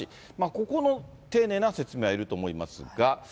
ここの丁寧な説明はいると思いますが。